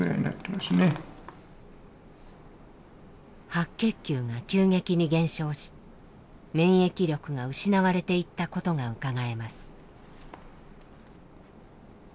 白血球が急激に減少し免疫力が失われていったことがうかがえます。